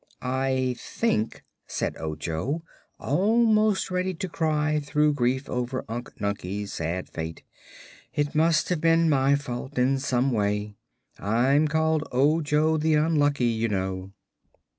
"I think," said Ojo, almost ready to cry through grief over Unc Nunkie's sad fate, "it must all be my fault, in some way. I'm called Ojo the Unlucky, you know."